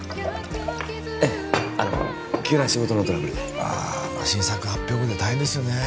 ええあの急な仕事のトラブルでああ新作発表後で大変ですよね